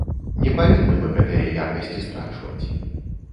Не павінны мы гэтыя якасці страчваць.